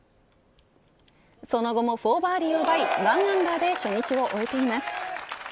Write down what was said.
その後も４バーディーを奪い１アンダーで初日を終えています。